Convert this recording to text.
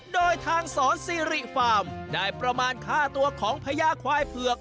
โดยทางสอนซีริฟาร์มได้ประมาณค่าตัวของพญาควายเผือก